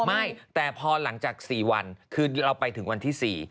ไม่แต่พอหลังจาก๔วันคือเราไปถึงวันที่๔